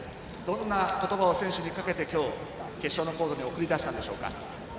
どんな言葉を選手にかけて今日、決勝のコートに送り出したんでしょうか。